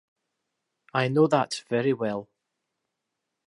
I know that very well.